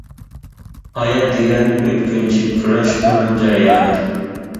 ھايات دېگەن ئۆتكۈنچى، كۈرەش ئۇنىڭ جەريانى.